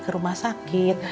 ke rumah sakit